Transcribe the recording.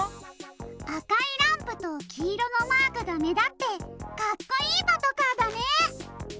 あかいランプときいろのマークがめだってかっこいいパトカーだね！